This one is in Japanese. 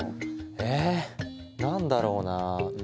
え何だろうなうん。